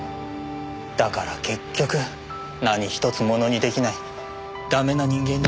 だから結局何ひとつものに出来ないダメな人間で。